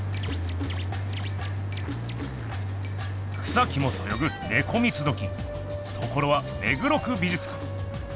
草木もそよぐネコ三つどきところは目黒区美術館。